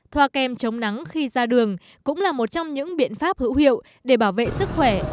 thoa kem chống nắng khi ra đường cũng là một trong những biện pháp hữu hiệu để bảo vệ sức khỏe